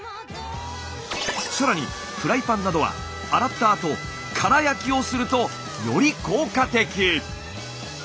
更にフライパンなどは洗ったあと空焼きをするとより効果的。